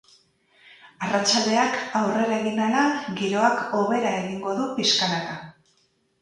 Arratsaldeak aurrera egin ahala, giroak hobera egingo du pixkanaka.